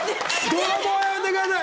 泥棒はやめてください。